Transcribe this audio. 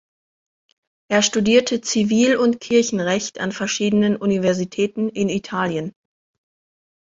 Er studierte Zivil- und Kirchenrecht an verschiedenen Universitäten in Italien.